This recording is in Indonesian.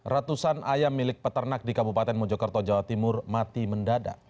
ratusan ayam milik peternak di kabupaten mojokerto jawa timur mati mendadak